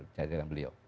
bicara dengan beliau